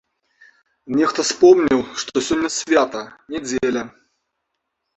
Нехта спомніў, што сёння свята, нядзеля.